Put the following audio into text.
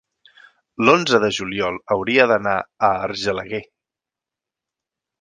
l'onze de juliol hauria d'anar a Argelaguer.